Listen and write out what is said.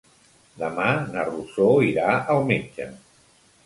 Demà na Rosó irà al metge.